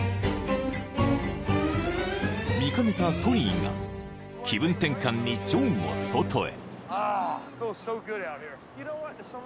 ［見かねたトニーが気分転換にジョンを外へ］